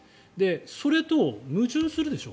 それと矛盾するでしょ